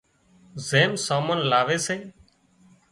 زم سامان لاوي سي